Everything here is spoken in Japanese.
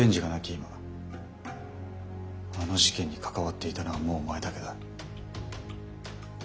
今あの事件に関わっていたのはもうお前だけだ。